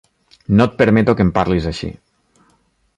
No et permeto que em parlis així!